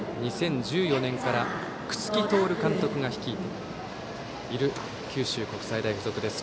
２０１４年から楠城徹監督が率いている九州国際大付属です。